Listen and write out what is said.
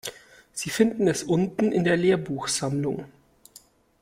Sie finden es unten in der Lehrbuchsammlung.